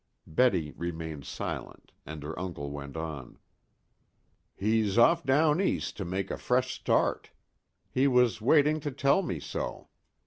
Betty remained silent, and her uncle went on. "He's off down east to make a fresh start. He was waiting to tell me so.